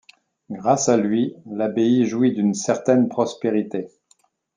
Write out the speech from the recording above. Grâce à lui, l'abbaye jouit d'une certaine prospérité.